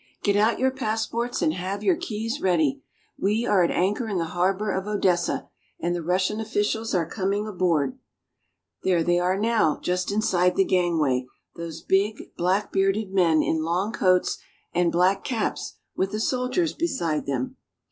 GET out your passports and have your keys ready! We are at anchor in the harbor of Odessa, and the Russian officials are coming aboard. There they are now, just inside the gangway, those big, black bearded men in long coats and black caps with the soldiers beside them !